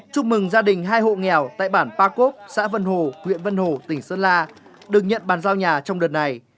chúc mừng gia đình hai hộ nghèo tại bản pa cốp xã vân hồ huyện vân hồ tỉnh sơn la được nhận bàn giao nhà trong đợt này